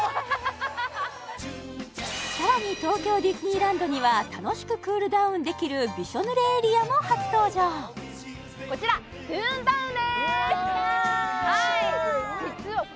さらに東京ディズニーランドには楽しくクールダウンできるびしょ濡れエリアも初登場こちらやったー！